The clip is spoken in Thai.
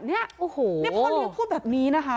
นี่พ่อเลี้ยงพูดแบบนี้นะคะ